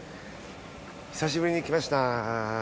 久しぶりに来ました。